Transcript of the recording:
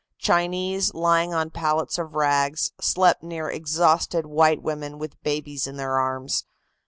Chinese, lying on pallets of rags, slept near exhausted white women with babies in their arms.